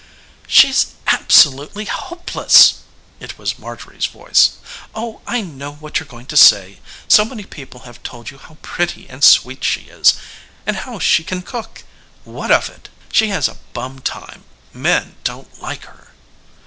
"She's absolutely hopeless!" It was Marjorie's voice. "Oh, I know what you're going to say! So many people have told you how pretty and sweet she is, and how she can cook! What of it? She has a bum time. Men don't like her."